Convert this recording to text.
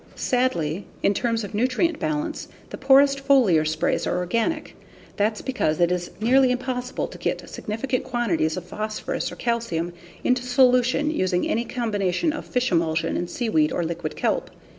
Sadly, in terms of nutrient balance, the poorest foliar sprays are organic. That's because it is nearly impossible to get significant quantities of phosphorus or calcium into solution using any combination of fish emulsion and seaweed or liquid kelp.